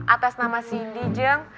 atas nama cindy jeng